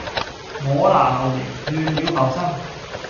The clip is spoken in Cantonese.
我拿流年，亂了浮生